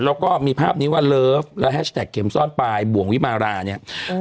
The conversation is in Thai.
แล้วก็มีภาพนี้ว่าเลิฟและแฮชแท็กเข็มซ่อนปลายบ่วงวิมาราเนี่ยอืม